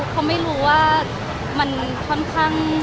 เขาไม่รู้ว่ามันค่อนข้าง